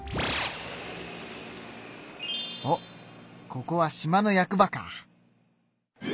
おっここは島の役場か。